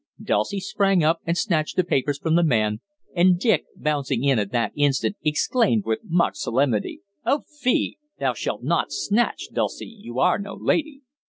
Dulcie sprang up and snatched the papers from the man, and Dick, bouncing in at that instant, exclaimed with mock solemnity: "Oh fie! 'Thou shalt not snatch,' Dulcie, you are 'no lady.'"